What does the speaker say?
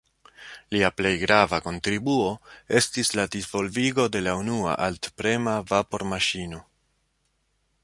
Lia plej grava kontribuo estis la disvolvigo de la unua alt-prema vapormaŝino.